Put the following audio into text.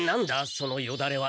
そのよだれは。